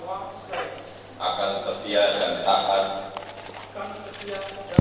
kami akan setia dan menanggungj